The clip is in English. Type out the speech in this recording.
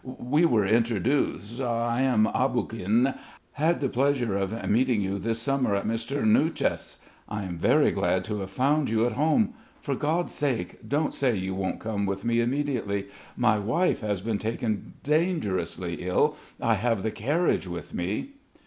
We were introduced ... I am Aboguin ... had the pleasure of meeting you this summer at Mr. Gnouchev's. I am very glad to have found you at home.... For God's sake, don't say you won't come with me immediately.... My wife has been taken dangerously ill.... I have the carriage with me...."